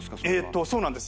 そうなんです。